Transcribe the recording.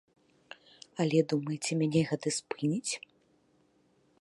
Але, думаеце, мяне гэта спыніць?